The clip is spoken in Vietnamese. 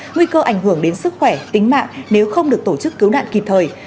nguy cơ ảnh hưởng đến sức khỏe tính mạng nếu không được tổ chức cứu nạn kịp thời